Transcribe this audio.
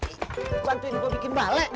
bantuin gua bikin balek